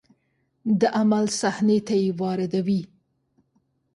د عمل صحنې ته یې واردوي.